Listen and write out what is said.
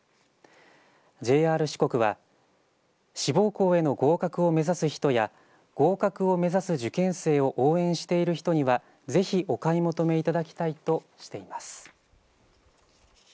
ＪＲ四国は志望校への合格を目指す人や合格を目指す受験生を応援している人にはぜひお買い求めいただきたいとしています。